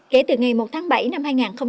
kể từ ngày một tháng bảy năm hai nghìn một mươi sáu